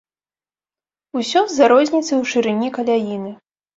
Усё з-за розніцы ў шырыні каляіны.